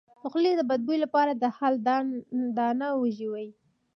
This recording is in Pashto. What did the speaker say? د خولې د بد بوی لپاره د هل دانه وژويئ